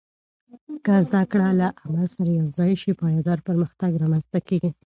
که زده کړه له عمل سره یوځای شي، پایدار پرمختګ رامنځته کېږي.